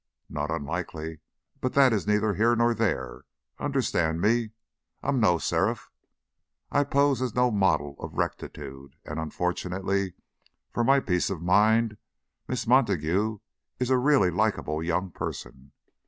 "Not unlikely, but that is neither here nor there. Understand me, I'm no seraph; I pose as no model of rectitude, and, unfortunately for my peace of mind, Miss Montague is a really likable young person.